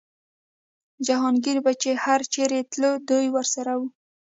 جهانګیر به چې هر چېرې تللو دی ورسره و.